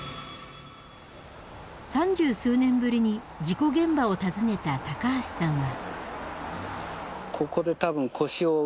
三十数年ぶりに事故現場を訪ねた高橋さんは。